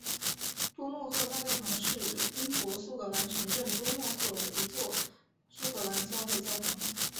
多诺赫大教堂是英国苏格兰城镇多诺赫的一座苏格兰教会教堂。